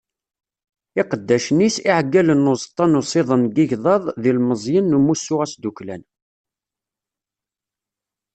Iqeddacen-is, iɛeggalen n uẓeṭṭa n usiḍen n yigḍaḍ d yilemẓiyen n umussu asdukklan.